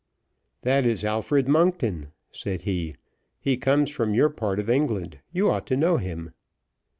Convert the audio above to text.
"That is Alfred Monkton," said he; "he comes from your part of England. You ought to know him."